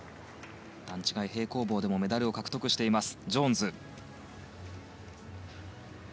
段違い平行棒でもメダルを獲得しています。